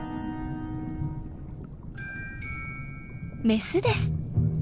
メスです。